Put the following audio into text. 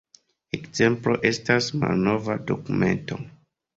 Ekzemplo estas malnova dokumento.